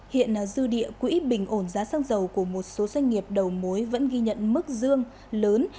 hiện dư địa quỹ bình ổn giá xăng dầu của một số doanh nghiệp đầu mối vẫn ghi nhận mức dương lớn